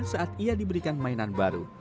saat ia diberikan mainan baru